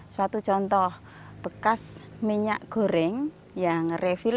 suatu contoh bekas minyak goreng yang refil